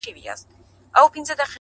کاينات راڅه هېريږي ورځ تېرېږي!!